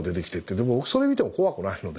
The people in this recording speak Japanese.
でも僕それ見ても怖くないので。